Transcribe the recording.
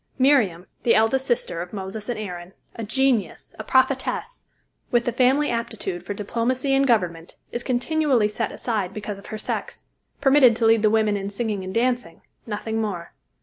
Miriam, the eldest sister of Moses and Aaron, a genius, a prophetess, with the family aptitude for diplomacy and government, is continually set aside because of her sex permitted to lead the women in singing and dancing, nothing more.